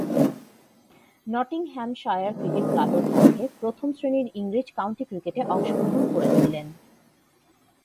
Nottinghamshire cricket ক্লাবের পক্ষে প্রথম-শ্রেণীর ইংরেজ কাউন্টি ক্রিকেটে অংশগ্রহণ করেছিলেন।